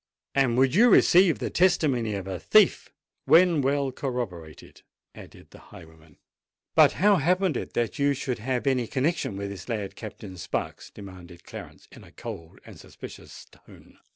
"And would you receive the testimony of a thief——" "When well corroborated," added the highwayman. "But how happened it that you should have any connexion with this lad, Captain Sparks!" demanded Clarence, in a cold and suspicions tone.